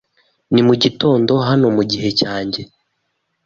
Ni mugitondo hano mugihe cyanjye.